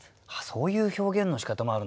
そういう表現のしかたもあるんだ。